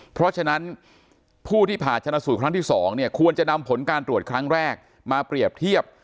เพราะฉะนั้นผู้ที่ผ่าชนะสูตรครั้งที่๒เนี่ยควรจะนำผลการตรวจครั้งแรกมาเปรียบเทียบ